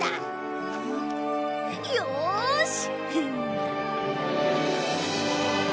よし！